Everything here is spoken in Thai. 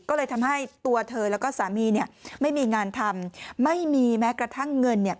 ก็เลยทำให้ตัวเธอแล้วก็สามีเนี่ยไม่มีงานทำไม่มีแม้กระทั่งเงินเนี่ย